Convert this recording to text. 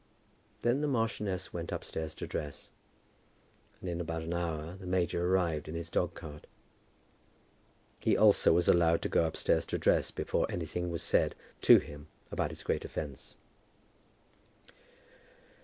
Then the marchioness went upstairs to dress, and in about an hour the major arrived in his dog cart. He also was allowed to go upstairs to dress before anything was said to him about his great offence.